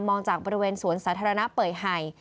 จากบริเวณสวนสาธารณะเป่ยไห่